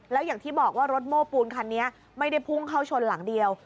แล้วอย่างที่บอกว่ารถโม้ปูนคันนี้ไม่ได้พุ่งเข้าชนหลังเดียว